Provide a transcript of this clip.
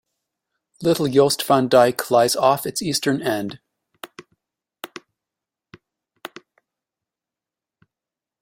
Little Jost Van Dyke lies off its eastern end.